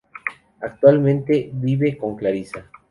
Actualmente vive con Clarisa.